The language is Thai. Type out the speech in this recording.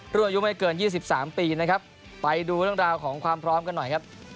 รถอายุไม่เกิน๒๓ปีไปดูเรื่องราวของความพร้อมกันหน่อย